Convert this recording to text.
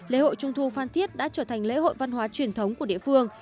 lễ hội trung thu phan thiết đã trở thành lễ hội văn hóa truyền thống của địa phương